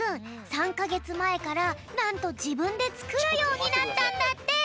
３かげつまえからなんとじぶんでつくるようになったんだって！